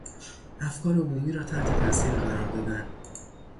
افکار عمومی را تحت تاثیر قرار دادن